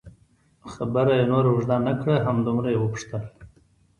خبره یې نوره اوږده نه کړه، همدومره یې وپوښتل.